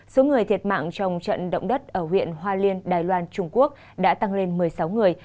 số người thiệt mạng trong trận động đất ở huyện hoa liên đài loan trung quốc đã tăng lên một mươi sáu người